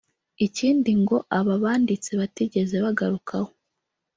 Ikindi ngo aba banditsi batigeze bagarukaho